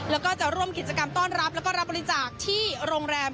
แล้วก็จะร่วมกิจกรรมต้อนรับแล้วก็รับบริจาคที่โรงแรม